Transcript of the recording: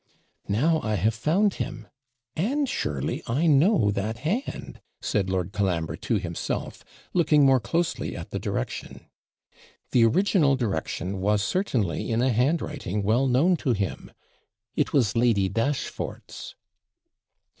'Now I have found him! And surely I know that hand!' said Lord Colambre to himself, looking more closely at the direction. The original direction was certainly in a handwriting well known to him it was Lady Dashfort's.